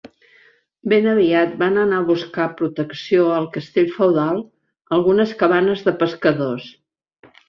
Ben aviat van anar a buscar protecció al castell feudal algunes cabanes de pescadors.